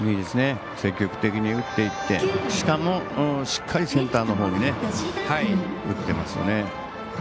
積極的に打っていってしかもしっかりセンターのほうに打ってますよね。